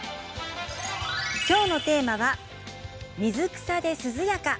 きょうのテーマは水草で涼やか！